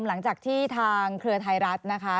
หลังจากที่ทางเครือไทยรัฐนะคะ